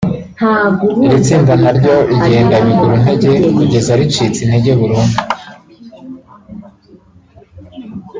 iri tsinda naryo rigenda biguru ntege kugeza ricitse intege burundu